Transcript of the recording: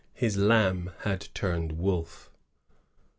His lamb had turned wolf.